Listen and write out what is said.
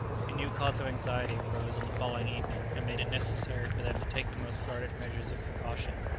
A new cause of anxiety arose on the following evening, and made it necessary for them to take the most guarded measures of precaution.